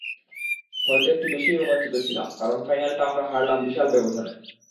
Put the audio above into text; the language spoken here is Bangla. হয়তো একটু বেশিই রোমাঞ্চিত ছিলাম, কারণ ফাইনালটা আমরা হারলাম বিশাল ব্যবধানে।